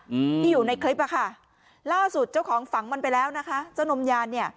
อืมที่อยู่ในคลิปอ่ะค่ะล่าสุดเจ้าของฝังมันไปแล้วนะคะเจ้านมยานเนี้ย